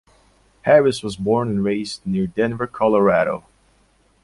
Harris was born and raised near Denver, Colorado.